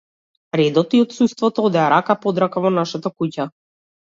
Редот и отсуството одеа рака под рака во нашата куќа.